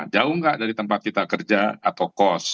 jauh nggak dari tempat kita kerja atau kos